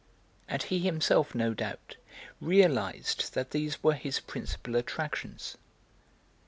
And he himself, no doubt, realised that these were his principal attractions.